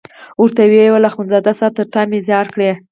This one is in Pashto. ورته ویې ویل اخندزاده صاحب تر تا مې ځار کړې.